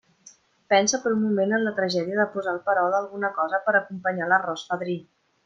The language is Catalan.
Pense per un moment en la tragèdia de posar al perol alguna cosa per a acompanyar l'arròs fadrí.